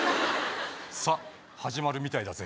さぁ始まるみたいだぜ。